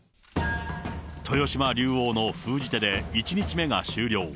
豊島竜王の封じ手で、１日目が終了。